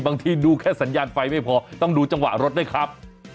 บางทีดูแค่สัญญาณไฟไม่พอต้องดูจังหวะรถด้วยครับ